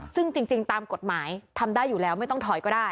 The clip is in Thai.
ซึ่งจริงตามกฎหมายทำได้อยู่แล้วไม่ต้องถอยก็ได้